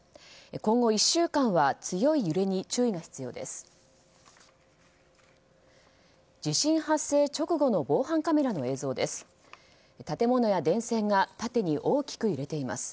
今後１週間は強い揺れに注意が必要です。